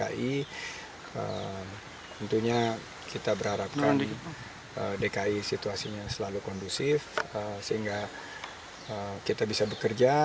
jadi tentunya kita berharapkan dki situasinya selalu kondusif sehingga kita bisa bekerja